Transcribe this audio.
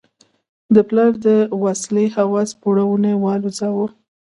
د پلار د وسلې هوس پوړونی والوزاوه.